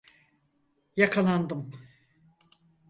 Yakalandım.